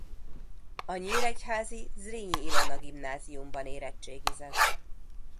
A nyíregyházi Zrínyi Ilona Gimnáziumban érettségizett.